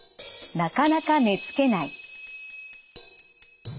なかなか寝つけない。